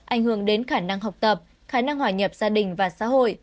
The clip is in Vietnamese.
ảnh hưởng đến khả năng học tập khả năng hòa nhập gia đình và xã hội